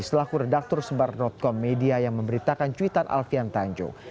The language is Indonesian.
selaku redaktor sebar com media yang memberitakan cuitan alfian tanjung